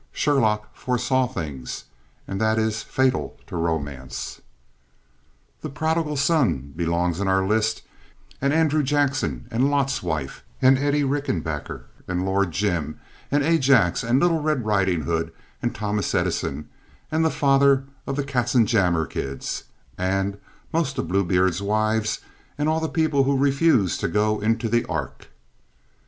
Sherlock foresaw things and that is fatal to romance. The Prodigal Son belongs in our list, and Andrew Jackson, and Lot's wife, and Eddie Rickenbacker, and Lord Jim, and Ajax, and Little Red Riding Hood, and Thomas Edison, and the father of the Katzenjammer Kids, and most of Bluebeard's wives and all the people who refused to go into the ark.